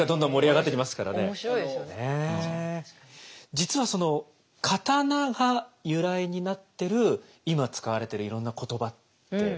実はその刀が由来になってる今使われてるいろんな言葉ってあるようなんですよ。